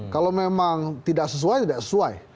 kalau memang tidak sesuai tidak sesuai